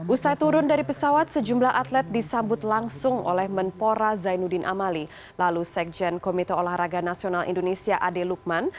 usai turun dari pesawat sejumlah atlet disambut langsung oleh menpora zainuddin amali lalu sekjen komite olahraga nasional indonesia ade lukman